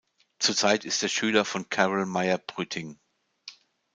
Zurzeit ist er Schüler von Carol Meyer-Bruetting.